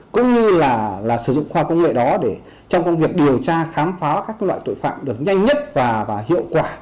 cũng như là sử dụng khoa công nghệ đó để trong công việc điều tra khám phá các loại tội phạm được nhanh nhất và hiệu quả